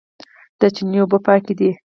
د چینو اوبه پاکې دي